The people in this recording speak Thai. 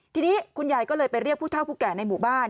ทีนี้คุณยายก็เลยไปเรียกผู้เท่าผู้แก่ในหมู่บ้าน